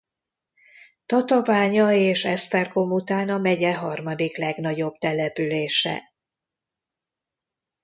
Tatabánya és Esztergom után a megye harmadik legnagyobb települése.